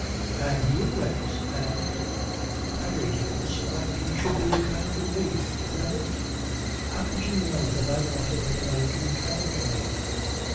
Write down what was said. "And you went and ... married him so that he should be kind to me. Is that it? How did you know that I wanted anybody to be kind to me?"